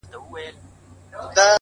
هغه سړی کلونه پس دی، راوتلی ښار ته،